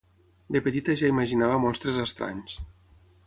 de petita ja imaginava monstres estranys